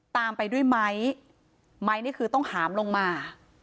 ตามไปด้วยไม้ไม้นี่คือต้องหามลงมา